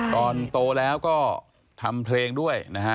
ตอนโตแล้วก็ทำเพลงด้วยนะฮะ